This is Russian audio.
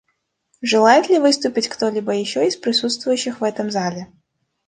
Желает ли выступить кто-либо еще из присутствующих в этом зале?